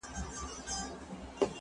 زه به سبا د ښوونځي کتابونه مطالعه کوم